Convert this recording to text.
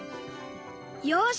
よし！